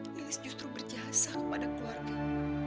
lilis justru berjasa kepada keluarga